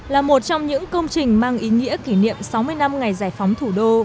là một trong những công trình mang ý nghĩa kỷ niệm sáu mươi năm ngày giải phóng thủ đô